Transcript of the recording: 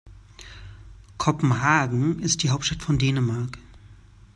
Kopenhagen ist die Hauptstadt von Dänemark.